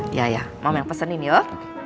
iya iya mama yang pesenin yuk